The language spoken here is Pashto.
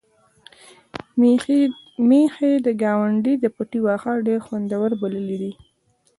میښې د ګاونډي د پټي واښه ډېر خوندور بللي دي.